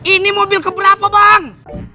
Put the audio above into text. ini mobil keberapa bang